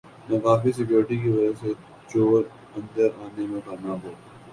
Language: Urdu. ناکافی سیکورٹی کی وجہ سےچور اندر آنے میں کامیاب ہوگئے